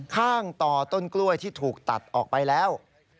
ต่อต้นกล้วยที่ถูกตัดออกไปแล้ว